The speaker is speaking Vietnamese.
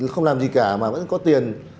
không làm gì cả mà vẫn có tiền